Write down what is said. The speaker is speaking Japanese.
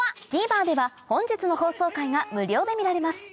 ＴＶｅｒでは本日の放送回が無料で見られます